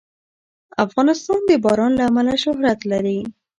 افغانستان د باران له امله شهرت لري.